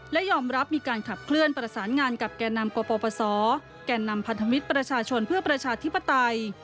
และยอมรับมีการขับเคลื่อนประสานงานกับแก่นำกปศแก่นำพันธมิตรประชาชนเพื่อประชาธิปไตย